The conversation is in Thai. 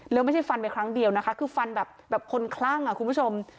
แล้วไม่ใช่ฟันไปครั้งเดียวนะคะคือฟันแบบคนคลั่งอ่ะคุณผู้ชม